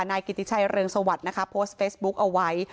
นายกิติชัยเรืองสวัสดิ์นะคะโพสต์เฟซบุ๊กเอาไว้